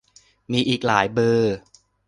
มีอีกหลายเบอร์